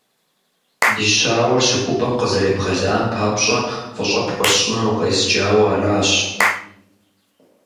Ди щауэр щыхупӀэм къызэребгъэлам папщӀэ фӀыщӀэ пхуэсщӀыну укъезджауэ аращ.